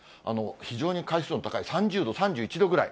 非常に海水温高い、３０度、３１度ぐらい。